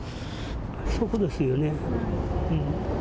そこですよね。